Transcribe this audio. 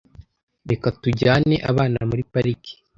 Reka tujyane abana muri pariki.